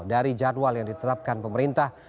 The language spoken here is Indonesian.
dari jadwal yang ditetapkan pemerintah